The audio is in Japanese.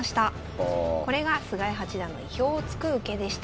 これが菅井八段の意表をつく受けでした。